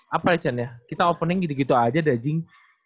apa ya chen ya kita opening gitu gitu aja dah jing